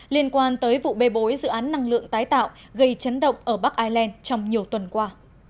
liên quan tới vụ bê bối dự án năng lượng tái tạo gây chấn động ở bắc ireland trong nhiều tuần qua